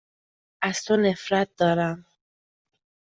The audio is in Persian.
از تو نفرت دارم.